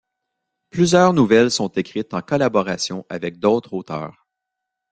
Plusieurs nouvelles sont écrites en collaboration avec d'autres auteurs.